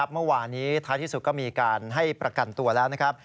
เมื่อวานนี้ท้ายที่สุดก็มีการให้ประกันตัวแล้วนะครับ